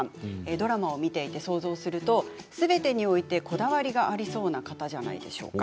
ドラマを見ていて想像するとすべてにおいて、こだわりがありそうな方じゃないでしょうか。